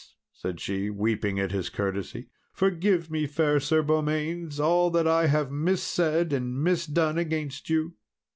said she, weeping at his courtesy, "forgive me, fair Sir Beaumains, all that I have missaid and misdone against you."